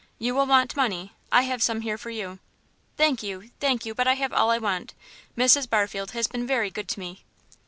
You will want money; I have some here for you." "Thank you, thank you, but I have all I want. Mrs. Barfield has been very good to me."